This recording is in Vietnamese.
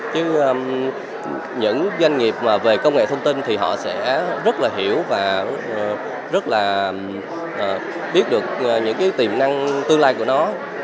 chứ những doanh nghiệp mà về công nghệ thông tin thì họ sẽ rất là hiểu và rất là biết được những cái tiềm năng tương lai của nó